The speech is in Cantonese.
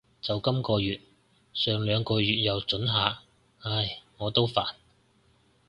就今个月，上兩個月又准下。唉，我都煩